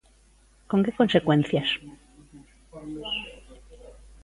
Con que consecuencias?